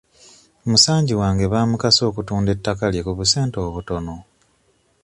Musanji wange baamukase okutunda ettaka lye ku busente obutono.